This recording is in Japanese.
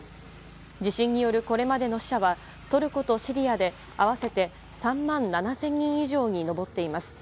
地震によるこれまでの死者はトルコとシリアで合わせて３万７０００人以上に上っています。